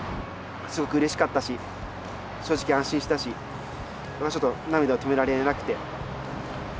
すごくうれしかったし正直安心したし僕はちょっと涙を止められなくて。